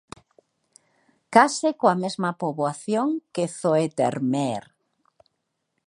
Case coa mesma poboación que Zoetermeer.